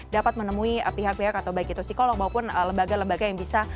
dapat menemui pihak pihak atau baik itu psikolog maupun lembaga lembaga yang bisa